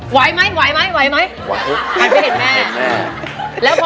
ไหวมั้ยไหวมั้ยไหวมั้ย